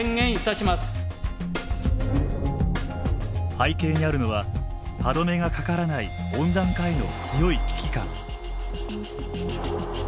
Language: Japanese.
背景にあるのは歯止めがかからない温暖化への強い危機感。